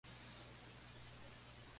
A veces se añade alguna cantidad de vinagre.